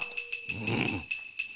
うん。